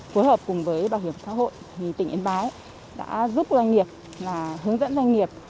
phối hợp cùng với bảo hiểm xã hội thì tỉnh yên bái đã giúp doanh nghiệp hướng dẫn doanh nghiệp